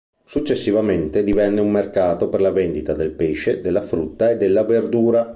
Successivamente divenne un mercato per la vendita del pesce, della frutta e della verdura.